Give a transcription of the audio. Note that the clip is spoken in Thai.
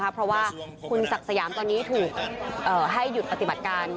เพราะว่าคุณศักดิ์สยามตอนนี้ถูกให้หยุดปฏิบัติการ